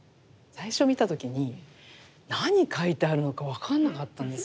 最初見た時に何描いてあるのか分かんなかったんですよ。